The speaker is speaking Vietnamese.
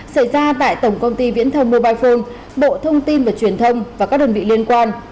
xảy ra tại tổng công ty viễn thông mobile phone bộ thông tin và truyền thông và các đơn vị liên quan